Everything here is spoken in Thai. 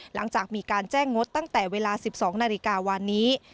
หลังจากมีการแจ้งงดตั้งแต่เวลา๑๒นาฬิกาวันนี้